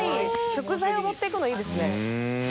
食材を持って行くのいいですね。